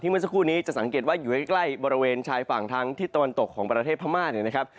เมื่อสักครู่นี้จะสังเกตว่าอยู่ใกล้บริเวณชายฝั่งทางทิศตะวันตกของประเทศพม่าเนี่ยนะครับ